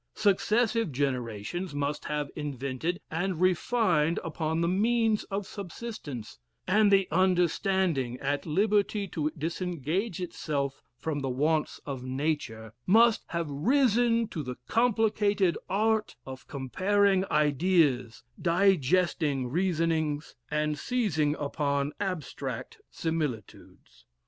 Successive generations must have invented and refined upon the means of subsistence; and the understanding, at liberty to disengage itself from the wants of nature, must have risen to the complicated art of comparing ideas, digesting reasonings, and seizing upon abstract similitudes.